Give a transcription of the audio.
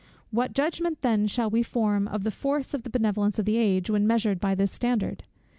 What judgment then shall we form of the force of the benevolence of the age, when measured by this standard?